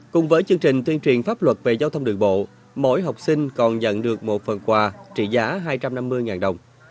cùng với chương trình tuyên truyền pháp luật về giao thông đường bộ mỗi học sinh còn nhận được một phần quà trị giá hai trăm năm mươi đồng